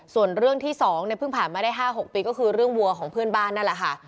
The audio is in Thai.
ส่วนเรื่องที่๒เนี่ยเพิ่งผ่านมาได้๕๖ปีก็คือเรื่องวัวของเพื่อนบ้านนั่นแหละค่ะ